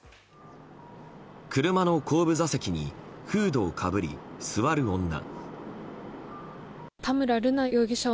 車の後部座席にフードをかぶり、座る女。